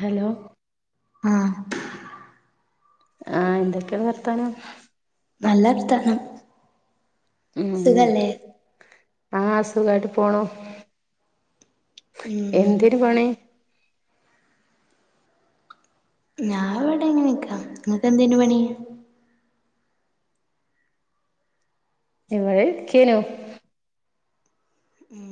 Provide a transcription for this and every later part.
Hello ആഹ് ആഹ് എന്തെക്കെണ് വർത്താനം? നല്ല വർത്താനം ഉം സുഖല്ലേ? ആഹ് സുഖായിട്ട് പോണു. ഉം എന്തെനി പണി? ഞാൻ ഇവിടെങ്ങനെ നിക്കാ ഇങ്ങക്കേന്തേനി പണി? ഇവിടെ ഇരിക്കേനു. ഉം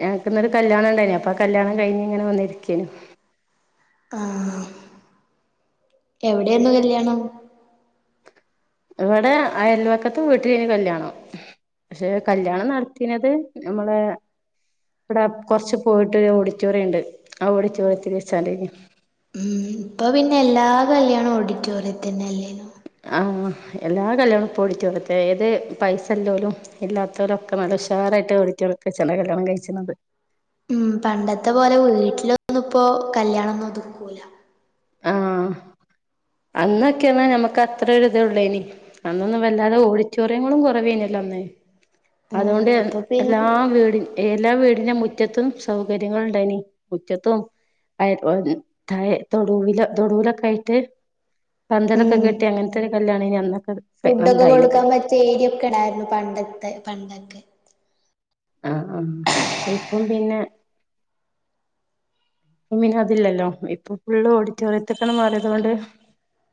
ഞങ്ങക്ക് ഇന്നരു കല്യാണം ഇണ്ടയിനി അപ്പം ആ കല്യാണം കഴിഞ്ഞ് ഇങ്ങനെ വന്ന് ഇരിക്കേന്നു. ആഹ് എവിടേന്നു കല്യാണം? ഇവിടെ അയൽവക്കത്ത് വീട്ടിലേന്നു കല്യാണം പക്ഷെ കല്യാണം നടത്തിനത് നമ്മളെ ഇവടെ കൊറച്ച് പോയിട്ട് ഒരു ഓഡിറ്റോറിയംണ്ട് ആ ഓഡിറ്റോറിയത്തിൽ വച്ചാണ്ടയ്നി. ഉം ഇപ്പൊ പിന്നെ എല്ലാ കല്യാണും ഓഡിറ്റോറിയത്തിനല്ലെ ആഹ് എല്ലാ കല്യാണും ഇപ്പോ ഓഡിറ്റോറിയത്തില ഏത് പൈസല്ലോലും ഇല്ലാത്തരൊക്കെ നല്ല ഉഷാറായിട്ട് ഓഡിറ്റോറിയത്തിൽ വെച്ചാണ്ടാണ് കല്യാണം കഴിച്ച്ണത് ഉം പണ്ടത്തെ പോലെ വീട്ടിലൊന്നും ഇപ്പോ കല്യാണൊന്നും ഒതുക്കൂല. ആഹ് അന്നൊക്കെന്ന് ഞമ്മക്ക് അത്ര ഒരിതൊള്ളയ്നി. അന്നൊന്നും വല്ലാതെ ഓഡിറ്റോറിയങ്ങളും കൊറവേന്യല്ലോ അന്ന് ഉം അതോണ്ട് ഇപ്പൊ എല്ലാ പിന്നെ വീട എല്ലാ വീടിന് മുറ്റത്തും സൗകര്യങ്ങള്ണ്ടായിനി മുറ്റത്തും [unintelligible] തായെ തൊടുവിലോ തൊടുലൊക്കെ ആയിട്ട് പന്തലൊക്കെ ഉം കെട്ടി അങ്ങനത്തെരു കല്യാണയിനു അന്നൊക്കെ ഫുഡൊക്കെ ഉണ്ടായിനത് കൊടുക്കാൻ പറ്റിയ ഏരിയ ഒക്കെ ഇണ്ടായിരുന്നു പണ്ടത്തെ പണ്ടൊക്കെ ആഹ് ആഹ് ഇപ്പം പിന്നെ പ്പം പിന്നെ അതില്ലല്ലോ ഇപ്പൊ ഫുള്ള് ഓഡിറ്റോറിയത്തക്കണ്ട് മാറിയത് കൊണ്ട്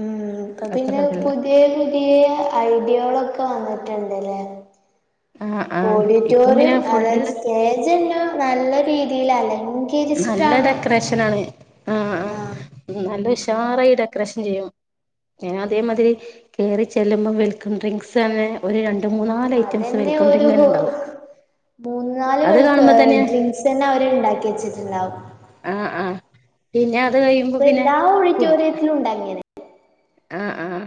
ഉം ഇപ്പൊ അത്ര പിന്നെ ഇതില്ല പുതിയ പുതിയ ഐഡിയോളൊക്കെ വന്നിട്ടുണ്ടല്ലേ ആഹ് ആഹ് ഇപ്പം ഓഡിറ്റോറിയം പിന്നെ അതായത് ഫുള്ള് സ്റ്റേജ്തന്നെ നല്ല രീതിൽ അല്ലങ്ക നല്ല ഡെക്കറേഷനാണ് ആഹ് ആഹ് നല്ല ഉഷാറായി ഡെക്കറേഷൻ ചെയ്യും. അയ്ന് അതേമാതിരി കേറി ചെല്ലുമ്പോ വെൽക്കം ഡ്രിങ്ക്സ് അങ്ങനെ ഒരു രണ്ട് മൂന്നാല് ഐറ്റംസ് അതന്നെ വെൽക്കം ഒരു ഡ്രിങ്കനെ ഇണ്ടാവും മൂന്ന് നാല് തന്നെ വെൽകം ഡ്രിങ്ക്സന്നെ അവര് ഇണ്ടാക്കി വെച്ചിട്ട്ണ്ടാവും ആഹ് ആഹ് പിന്നെ അത് കഴിയുമ്പോ ഇപ്പൊ പിന്നെ എല്ലാ ഫു ഓഡിറ്റോറിയത്തിലും ഉണ്ട് അങ്ങനെ ആഹ് ആഹ്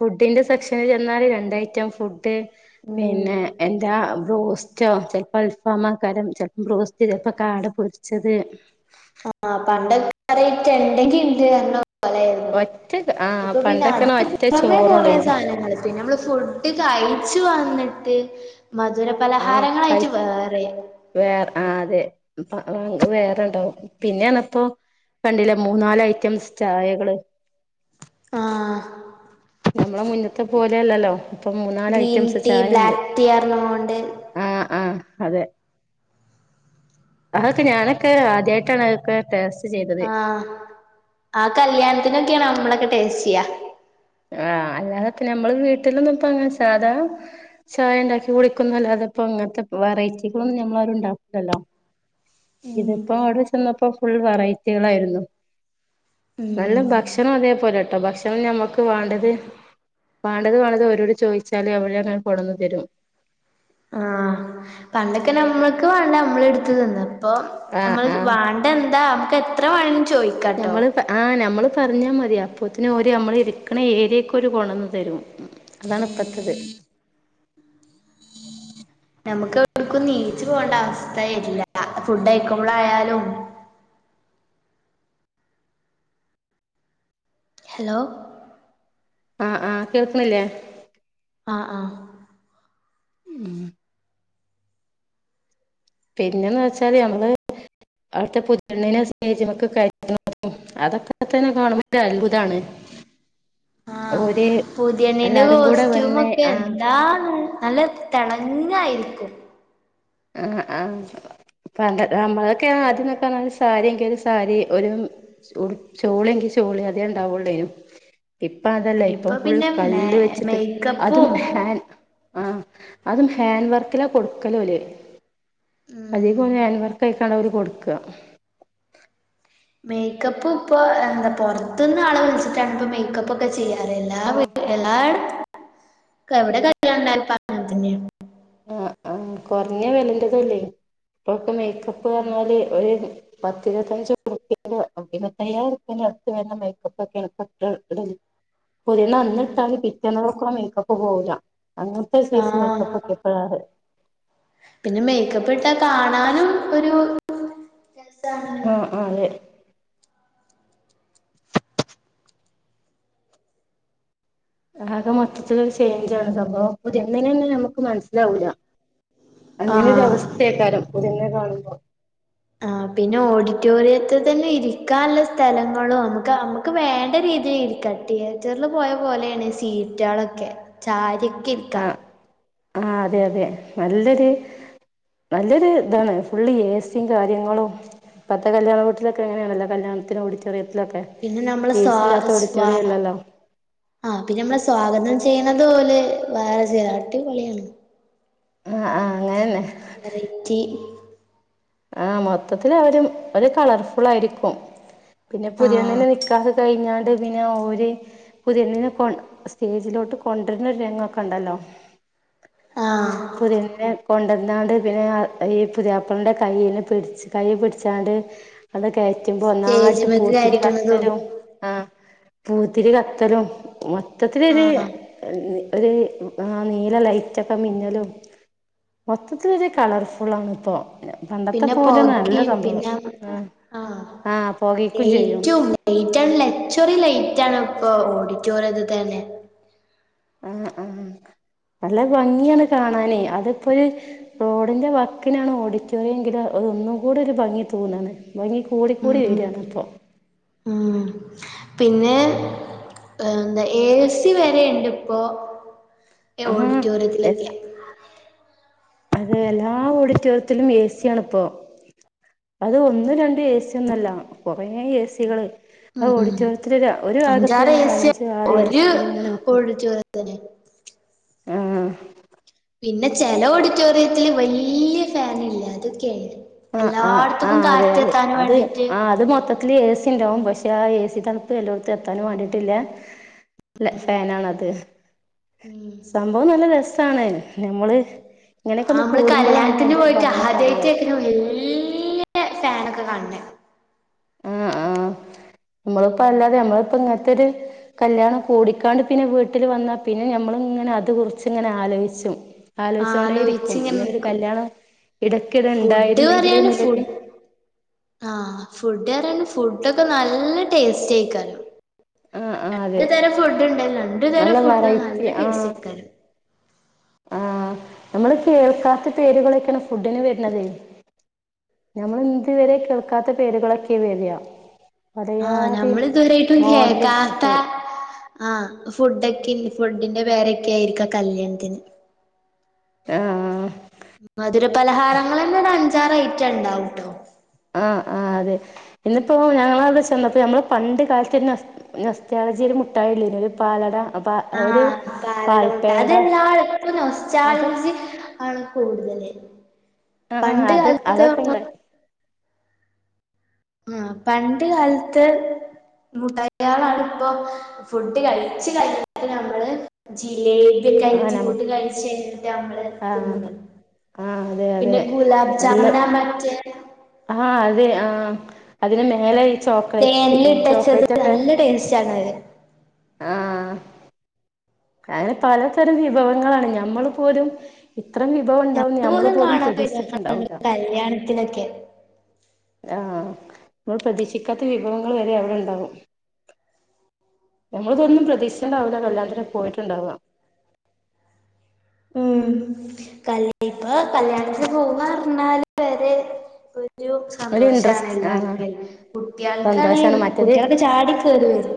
ഫുഡിന്റെ സെക്ഷനില് ചെന്നാല് രണ്ട്ഐറ്റം ഫുഡ് ഉം പിന്നെ എന്താ ബ്രോസ്റ്റോ ചെൽപ്പോ അൽഫാമേക്കാരം ചെൽപ്പോ ബ്രോസ്റ്റ് ചെൽപ്പോ കാട പൊരിച്ചത് ആഹ് പണ്ടൊക്കെ ഇണ്ടെങ്കി ഇണ്ട് പറ പോലരുന്നു ഒറ്റ ആഹ് ഇപ്പൊ പിന്നെ പണ്ടൊക്കെണെ അതിന് ഒറ്റ പുറമെ കുറെ ചോറൊള്ളേനി സാധനങ്ങൾ പിന്നെ നമ്മള് ഫുഡ് കഴിച്ചു വന്നിട്ട് ആഹ് കഴി മധുരപലഹാരങ്ങളായിട്ട് വേറിം വേറെ ആ അതെ പ്പം വേറെണ്ടാവും പിന്നെപ്പറഞ്ഞ ഇപ്പൊ കണ്ടില്ലേ മൂന്നാല് ഐറ്റംസ് ചായകള് ആഹ ഞമ്മളെ മുന്നത്തെ പോലെയല്ലല്ലോ ഇപ്പൊ മൂന്നാല് ഗ്രീൻ ഐറ്റംസ് ടീ ചായ ഇണ്ട് ബ്ലാക്ക് ടീ പറഞ്ഞോണ്ട് ആഹ ആഹ അതെ അതൊക്കെ ഞാനൊക്കെ ആദ്യായിട്ടാണ് അതൊക്കെ ടേസ്റ്റ് ചെയ്ത് ആഹ ആ കല്യാണത്തിനൊക്കെയാണ് അമ്മളൊക്കെ ടേസ്റ്റ് ചെയ്യാ ആഹ് അല്ലാതെ ഇപ്പം നഞമ്മള് വീട്ടിലൊന്നും ഇപ്പ അങ്ങനെ സാധാ ചായ ഇണ്ടാക്കി കുടിക്കുന്നല്ലാതെപ്പോ ഇങ്ങനത്തെ വെറൈറ്റികളൊന്നും ഞമ്മളരും ഇണ്ടാക്കുലല്ലോ ഇതിപ്പോ അവ്ടെ ചെന്നപ്പോ ഫുൾ വെറൈറ്റികളായിരുന്നു നല്ല ഉം ഭക്ഷണം അതേപോലെട്ടോ ഭക്ഷണം നമ്മുക്ക് വാണ്ടത് വാണ്ടത് വാണ്ടത് അരോട് ചോയിച്ചാല് അവരങ്ങനെ കൊടന്ന് തരും ആഹ് പണ്ടൊക്കെ നമ്മക്ക് വാണ്ട നമ്മളെട്ത്ത് തിന്നാ ഇപ്പം ആഹ് നമ്മള് ആഹ് വാ ണ്ട്യന്താ നമക്ക് എത്ര വേണേലും ചോയി ഞമ്മള് ആഹ് നമ്മള് പറഞ്ഞാ മതി അപ്പൊത്തിനും ഓര് നമ്മള് ഇരിക്ക്‌ണ ഈ ഏര്യേക്ക്‌ ഓര് കൊടന്ന് തരും അതാണ് ഉം ഇപ്പത്തെത് നമക്ക് എവ്ട്ക്കും നീച്ച് പോണ്ട അവസ്ഥ വരില്ല ഫുഡ്ഴിക്കുമ്പളായാലും ഹലോ ആഹ് ആഹ് കേൾക്ക്‌ണില്ലേ ആഹ് ആഹ് ഉം പിന്നെന്ന് വെച്ചാല് ഞങ്ങള് അവിട്ത്തെ പുത്യണ്ണിനെ സ്റ്റേജ്‌മക്ക് [inaudible] ഉം അതൊക്കെത്തന്നെ കാണുമ്പോ അത്ഭുതാണ് ആഹ് ഓര് പുതിയണ്ണിന്റെ എല്ലാരും കൂടെ വന്ന് കോസ്റ്റ്യൂമൊക്കെ ആഹ് എന്താന്ന് നല്ല തെളങ്ങയിരിക്കും ആഹ് ആഹ് പണ്ട് നമ്മളൊക്കെ ആദ്യന്നോക്കെ പറഞ്ഞാല് ഒരു സാരി എങ്കില് ഒരു സാരി ഒര് ഉട് ചോളിയെങ്കി ചോളി അതേ ഇണ്ടാവൊള്ളേനു ഇപ്പ അതല്ല ഇപ്പൊ ഫുൾ പിന്നെ മേ കല്ല് വെച്ചിട്ട് അതും മേക്കപ്പും ഹാൻ ആഹ് അതും ഹാൻഡ് വർക്കിലാ കൊട്ക്കലോല് ഉം [unintelligible] ഹൻവർക്കായിക്കാണ്ട ഓല് കൊട്ക്ക മേക്കപ്പ് ഇപ്പൊ എന്താ പൊറത്ത്ന്ന് ആളെ വിളിച്ചിട്ടാണ് ഇപ്പൊ മേക്കപ്പൊ ക്കെ ചെയ്യാറ് എല്ലാ വീ ആഹ് എല്ലാട്ത്തും എവിടെ കല്യാണണ്ടായാലും ഇപ്പ അങ്ങനെത്തന്നാണ് ആഹ് ആഹ് കൊറഞ്ഞ വെലറ്റതുല്ലേ ഇപ്പൊക്കെ മേക്കപ്പ്റ്ഞ്ഞാല് ഒര് പത്തിര്പത്തഞ്ച്റ്പ്യ ഇപ്പൊ ഇരുവത്തയ്യായിരുപ്യന്റെ അട്ത്ത് വെര്ണ മേക്കപ്പൊക്ക്യാണ് [unintelligible] ഇടല് പുത്യണ്ണ് ഉം അന്ന്ട്ടാലും പിറ്റേന്നേകക്കും ആ മേക്കപ്പ് പോവുല അങ്ങനത്തെ സൈസ് ആഹ് മേക്കപ്പൊക്കെ ഇപ്പടാറ് പിന്നെ മേക്കപ്പ് ഇട്ടാ കാണാനും ഒരു രസാണ് ആഹ് ആഹ് അതെ ആകെ മൊത്തത്തിലൊര് ചേഞ്ചാണ് സംഭവം പുത്യണിന്നെന്നെ നമ്മക്ക് മനസ്സിലാവുല അങ്ങനൊരു ആഹ് അവസ്ഥേക്കാരം പുത്യണ്ണിനെ കാണുമ്പം ആഹ് പിന്നെ ഓഡിറ്റോറിയത്ത് തന്നെ ഇരിക്കാന്ല്ല സ്ഥലങ്ങളും നമുക്ക് നമുക്ക് വേണ്ട രീതി ഇരിക്കാം തിയേറ്ററിൽ പോയ പോലെയാണ് സീറ്റേളൊക്കെ ചാരിക്കെ ഇരിക്കാ ആഹ് ആഹ് അതെ അതെ നല്ലൊര് നല്ലൊരു ഇതാണ് ഫുള്ള് എസിം കാര്യങ്ങളും ഇപ്പത്തെ കല്ല്യാണ വീട്ട്ലൊക്കെ അങ്ങനെ ആണല്ലോ കല്യാണത്തിന് ഓഡിറ്റോറിയ ത്തിലോക്കെ പിന്നെ നമ്മള് സ്വാ എസില്ലാത്ത ഓഡിറ്റോറിയം സ്വാ ഇല്ലല്ലോ ആഹ് പിന്നെ നമ്മള് സ്വാഗതം ചെയ്യണതു ഓല് വേറെ ചേലാ അടിപൊള്യണ് ആഹ് ആഹ് അങ്ങനന്നെ വെറൈറ്റി ആഹ് മൊത്തത്തില് അവരും ഒരു കളർഫുളായിരിക്കും പിന്നെ ആഹ് പുതിയണ്ണിനെ നിക്കാഹ് കഴിഞ്ഞാണ്ട് പിന്ന ഓര് പുതിയെണ്ണിനെ കൊ സ് സ്റ്റേജിലോട്ട് കൊണ്ടര്ണ രാങ്ങോക്കെണ്ടല്ലോ ആഹ് പുത്യണ്ണിനെ കൊണ്ടന്നാണ്ട് പിന്നെ ഈ പുതിയാപ്പളന്റെ കൈല് പിടിച്ച് കൈ പിടിച്ചാണ്ട് അത് കയറ്റുമ്പോ ഒന്നായിട്ട് സ്റ്റേജിമക്ക് പൂത്തിരി കയറ്റണതും കത്തലും ആഹ് പൂത്തിരി കത്തലും മൊത്തത്തിലൊര് ആഹ് നീ ഒര് ആഹ് നീല ലൈറ്റൊക്കെ മിന്ന ലും മൊത്തത്തിലൊര് കളർഫുളാണ്പ്പം പണ്ടത്തെ പിന്നെ പോലോന്നല്ല പൊകയും സംഭവം പിന്നെ ഉം ആഹ് ആഹ് പോകീക്കും ചെയ്യും ലൈറ്റും ലൈറ്റാണ് ലെച്ചോറി ലൈറ്റാണ് ഇപ്പൊ ഓഡിറ്റോറിയത്തി തന്നെ ആഹ് ആഹ് നല്ല ഭംഗിയാണ് കാണാന് അതിപ്പോ റോഡിന്റെ വാക്കിനാണ് ഓഡിറ്റോറിയം എങ്കില് അത് ഒന്നും കൂടി ഒരു ഭംഗി തോന്നാണ് ഭംഗി കൂടിക്കൂടി ഉം വര്യാണ് അപ്പൊ ഉം പിന്നെ ഏഹ് ന്താ എ സി വരെയുണ്ട് ഇപ്പോ ആഹ് എല്ലാ ഓഡിറ്റോറിയത്തിലൊക്കെ അതെ എല്ലാ ഓഡിറ്റോറിയത്തിലും എ സി യാണിപ്പോ അതും ഒന്നു ര എ സി ഒന്നുല്ല കുറേ എ സി കള് ആ ഉം ഓഡിറ്റോറിയത്തില് ഒരു ഭാഗത്ത് അഞ്ചാറ് എ തന്നെ അഞ്ച് ആറ് എ സി കൾ ഇങ്ങനെ വെക്കും തന്നെ അഹ് പിന്നെ ചെല ഓഡിറ്റോറിയത്തില് വല്ല്യ ഫാൻ ഇല്ലേ അതൊക്കെ ആയിരി ആഹ് ആഹ് ആഹ് അതെ അതെ അത് വേണ്ടിട്ട് ആഹ് അത് മൊത്ത ത്തില് എ സി ഉണ്ടാവും പക്ഷെ ആ എ സി തണുപ്പ് എല്ലോത്തും എത്താനും വേണ്ടിട്ടില്ല ല്ല ഫാനണത് ഉം സംഭവം നല്ല രസ സാണ് നമ്മള് ഇങ്ങനെയൊക്കെ ഒന്ന് കൂടുമ്പോളാണ് അയിന്റെ ഭംഗി അറിയാ ഒരു വല്ല്യ ഫാനൊക്കെ കാണാണെ ആഹ് ആഹ് നമ്മളിപ്പോ അല്ലാതെ നമ്മളിപ്പോ ഇങ്ങനത്തൊരു കല്യാണം കൂടിക്കാണ്ട് പിന്നെ വീട്ടിൽ വന്നാൽ പിന്നെ ഞമ്മൾ ഇങ്ങനെ അത് കുറിച്ച് ഇങ്ങനെ ആലോയിച്ചും ആലോയിച്ചോണ്ടേ ആലോയിച്ച് ഇരിക്കും ഇങ്ങനെ ഇങ്ങനൊരു നിക്കും കല്യാണം ഇടക്കിടെ ഫുഡ് ഉണ്ടായിരുന്നെങ്കില് പറയാന് എന്നുലൊരു ഫുഡ് ആഹ് ഫുഡ്റിയണ്ട് ഫുഡൊക്കെ നല്ല ടേസ്റ്റ് ആയിക്കാനും ആഹ് ആഹ് രണ്ട് അതെ തരം ഫുഡ് ഉണ്ട് രണ്ട് തരം നല്ല ഫുഡും നല്ല വെറൈറ്റി ടേസ്റ്റ് ആഹ് കായിക്കനും ആഹ് നമ്മള് കേൾക്കാത്ത പേരുകളൊക്കെയാണ് ഫുഡിന് വരണത് ഞമ്മൾ ഇതുവരെ കേൾക്കാത്ത പേരുകളൊക്കെ വരിയാ ആഹ് നമ്മൾ ഇതുവരായിട്ടും മോഡല് കേക്കാത്ത ഫുഡ് ആഹ് ഫുഡക്കെ ഫുഡിന്റെ പേരൊക്കെ ആയിരിക്കും കല്യാണത്തിന് ആഹ് മധുരപലഹാരങ്ങൾ തന്നെ ഒരു അഞ്ചാറ് ഐറ്റം ഉണ്ടാവുട്ടോ ആഹ് ആഹ് അതെ ഇന്നിപ്പോ ഞങ്ങൾ അവിടെ ചെന്നപ്പോ ഞമ്മള പണ്ട് കാലത്ത് തന്നെ നൊസ്റ്റാൾജിയ ഒരു മുഠായില്ലേ ഒരു പാലട പ ഒരു ആഹ് പാലട മുട്ടാ പാൽപ്പേട അതെല്ലാളപ്പ അത് നൊസ്റ്റാൾജി ആണ് കൂടുതല് ആഹ് പണ്ട് അത് കാലത്ത്‌ അതൊക്കെ ഉണ്ട് ആഹ് പണ്ട് കാലത്ത് മുട്ടയികളാണ് ഇപ്പൊ ഫുഡ് കഴിച്ചു കഴിഞ്ഞിട്ട് നമ്മള് ജിലേബി ആഹ് റ്റായിട്ട് ഫുഡ്‌ നമുക്ക് കഴിഞ്ഞിട്ട് നമ്മള് ആഹ് തിന്ന്ന്നത് ആഹ് അതെ അതെ പിന്നെ ഗുലാബ് ജാമിന നല്ല മറ്റേ ആഹ് അതെ ആഹ് അതിന് മേലെ ഈ ചോക്ലേറ്റ്സ് ചോക്ലേറ്റ് ഒക്കെ ടെസ്റ്റാണ് വരിക ആഹ് അങ്ങനെ പലതരം വിഭവങ്ങളാണ് ഞമ്മൾ പോലും ഇത്രം വിഭവം ഉണ്ടാവും നമ്മൾ പോലും പ്രതീക്ഷിച്ചിട്ടുണ്ടാവൂല്ല കല്യാണത്തിനോക്കെ ആഹ് ഇമ്മൾ പ്രതീക്ഷിക്കാത്ത വിഭവങ്ങൾ വരെ അവി ടെ ഇണ്ടാകും നമ്മളിതൊന്നും പ്രതീക്ഷിച്ചണ്ടാവില്ലാ കല്യാണത്തിന് പോയിട്ടുണ്ടാവ ഉം കല് ഇപ്പൊ കല്യാണത്തിന് പോവ പറഞ്ഞാല് വേരെ ഒരു ഒരു സന്തോഷാണ് ഇൻട്രസ്റ്റ് ആഹ് എല്ലാർക്കും കുട്ടിയാ ൾക്കാണെ സന്തോഷാണ് കുട്ടിആളോ മറ്റേത് ക്കെ ചാടി കേറി വരും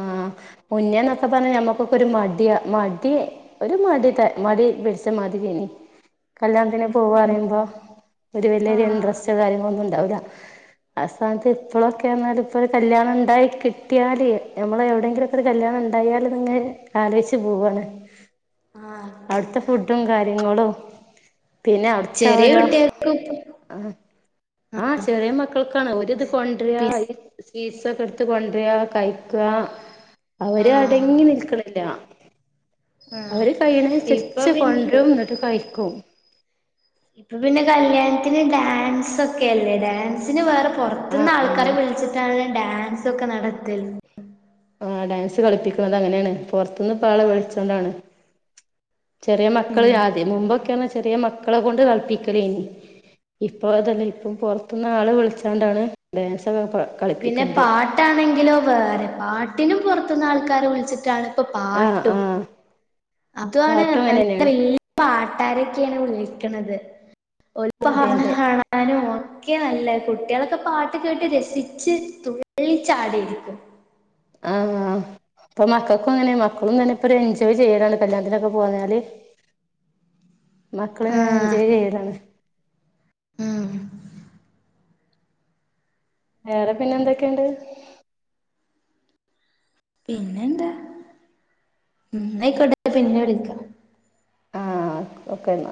ആഹ് മുന്നേന്നൊക്കെ പറഞ്ഞ നമ്മുക്കൊക്കെ ഒരു മഡ്യാ മടി ഒരു മടി ത മടി പിടിച്ച മതിരായ്നി കല്യാണത്തിന് പോവാ പറീമ്പോ ഒരു വലിഒരു ആഹ് ഇൻട്രസ്റ്റ് കാര്യങ്ങളോ ഒന്നും ഉണ്ടാവില്ല ആസ്ഥാനത്ത് ഇപ്പോളോക്കൊനറഞ്ഞ ഇപ്പോഒരു കല്യാണം ഇണ്ടായി കിഡ്യായല് നമ്മള് എവിടെയെങ്കിലും ഒക്കെ ഒരു കല്യാണം ഇണ്ടായാലും നിങ്ങെ ആലോയ്ച്ച് പോവണ് ആഹ് അവിട്ത്തെ ഫുഡും കാര്യങ്ങളും പിന്നെ ചെറിയ അവിട്ത്തോരോ കുട്ടികൾക്കും ആഹ് ആ ചെറിയ മക്കൾക്കാണ് ഒരിത് പി കൊണ്ടരാ സീറ്റ്സൊക്കെ എടുത്ത് കൊണ്ട്രാ കഴിക്ക അവര് ആഹ് അടങ്ങി നിൽക്കിണില്ല ആഹ് കൈണെ ഇപ്പൊ സച്ച് പിന്നെ കൊണ്ട്രും ന്നിട്ട് കഴിക്കും ഇപ്പൊ പിന്നെ കല്യാണത്തിന് ഡാൻസ്ക്കെ അല്ലേ ഡാൻസിന് വേറെ പോറ ത്ത്ന്ന് ആഹ് ആൾക്കാരെ ആഹ് വിളിച്ചിട്ടാണ് ഡാൻസോക്കെ നടത്തൽ ആ ഡാൻസ് കളിപ്പിക്ന്നത് അങ്ങനണ് പോറത്തുന്ന് പാളെ ആഹ് വിളിച്ചോണ്ടാണ് ചെറിയ മക്കൾ ഉം ആതി മുമ്പൊക്കെന്നറഞ്ഞ ചെറിയ മക്കളെ കൊണ്ട് ക ളപ്പിക്കലേനി ഇപ്പൊ അതല്ലേ ഇപ്പൊ പുറത്ത് ന് ആള് വിളിച്ചാണ്ടാണ് ഡാൻസൊക്കെ പ പിന്നെ പാട്ടാണെങ്കിലോ വേറെ പാട്ടിനും പോറത്ത് ന്ന് ആൾക്കാരെ വിളിച്ചിട്ടാണ് ഇപ്പ ആഹ് പാട്ടും ആഹ് അതാണ് പാട്ടും അങ്ങനെ നല്ല തന്നെയാണ് വലിയ പാട്ടുരൊക്കെണ് വിളിക്ണത് ഓൽ അതെ പാട്നെ അതെ കാണാനും ഒക്കെ നല്ല കുട്ടികളൊക്കെ പാട്ട് കേട്ട് രസിക്ക ച്ച് തുള്ളിച്ചാടയിരിക്കും ആഹ് ഇപ്പൊ മക്കക്കും അങ്ങനെ മക്കളും തന്നെ ഒരു എൻജോയ് ചെയ്യലാണ് കല്യാത്തിനൊക്കെ പോന്നാല് മക്കള് ആ എൻജോയ് ചെയ്യലാണ് ഉം വേറെ പിന്നെ എന്തൊക്കെണ്ട് പിന്നെന്താ ഉം ഇന്നയ്ക്കോട്ടെ പിന്നെ വിളിക്കാം ആഹ് ഓക്കെന്ന